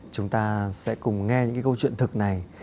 chúng ta sẽ cùng nghe những cái câu chuyện thực này